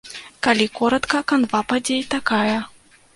Калі коратка, канва падзей такая.